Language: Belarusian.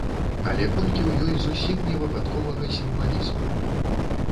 Але колькі ў ёй зусім невыпадковага сімвалізму!